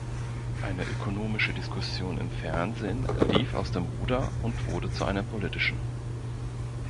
Eine ökonomische Diskussion im Fernsehen lief aus dem Ruder und wurde zu einer politischen.